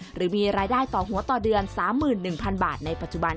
หรือมีรายได้ต่อหัวต่อเดือน๓๑๐๐๐บาทในปัจจุบัน